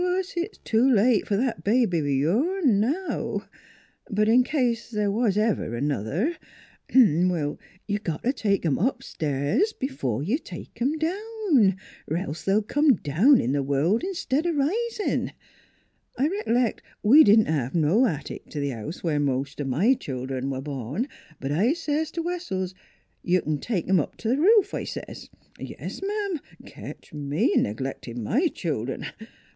Course it's too late f'r that baby o' yourn now; but in case th' was ever another you got t' take 'em up stairs b'fore you take 'em down, 'r else they'll come down in th' world, 'stead o' risin'. I rec'lect we didn't have no attic t' th' house where most o' my childern was born; but I says t' Wessells, ' You c'n take 'em up t' th' roof,' I says. ... Yes, ma'am! Ketch me a n'glectin' my childern!